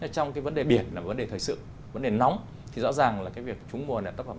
trong cái vấn đề biển là vấn đề thời sự vấn đề nóng thì rõ ràng là cái việc chúng mùa này